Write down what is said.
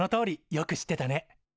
よく知ってたね。